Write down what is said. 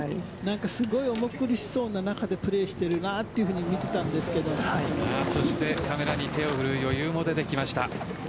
すごい重苦しそうな中でプレーしているなとカメラに手を振る余裕も出てきました。